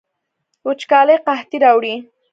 وچکالي قحطي راوړي